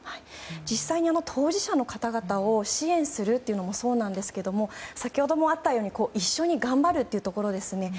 実際に当事者の方々を支援するというのもそうなんですけども先ほどもあったように一緒に頑張るというところですね。